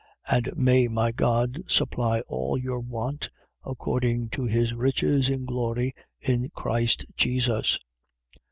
4:19. And may my God supply all your want, according to his riches in glory in Christ Jesus.